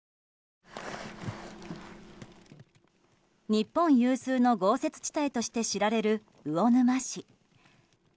日本有数の豪雪地帯として知られる魚沼市。